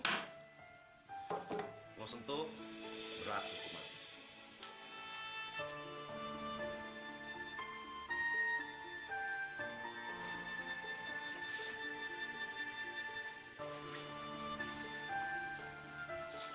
berat itu mak